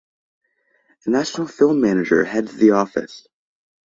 A national Film Manager heads the Office.